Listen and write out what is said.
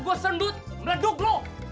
gue sendut mereduk lo